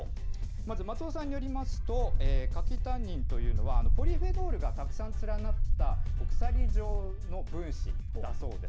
まず松尾さんによりますと、柿タンニンというのは、ポリフェノールがたくさん連なった鎖状の分子だそうです。